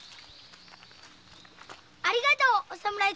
ありがとうお侍様。